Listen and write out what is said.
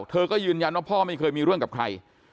เธอก็ยืนยันว่าพ่อไม่เคยมีเรื่องกับใคร